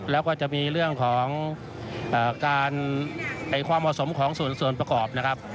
แล้วก็จะมีเรื่องของการความเหมาะสมของส่วนประกอบนะครับ